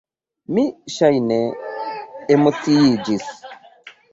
Mi, ŝajne, emociiĝis.